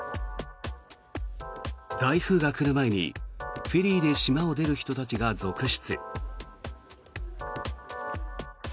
台風が来る前にフェリーで島を出る人たちが続出。